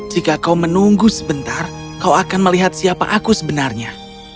jika kau menunggu sebentar kau akan melihat siapa aku sebenarnya